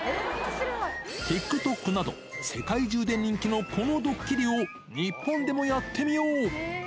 ＴｉｋＴｏｋなど、世界中で人気のこのドッキリを、日本でもやってみよう。